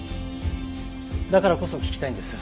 だからこそ聞きたいんです。